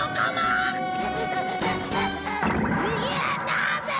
なぜ？